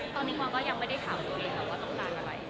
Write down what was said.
ตอนนี้กว้างก็ยังไม่ได้ถามคือต้องการอะไร